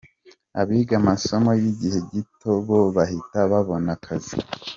Abiga amasomo y’igihe gito bo bahita babona akazi.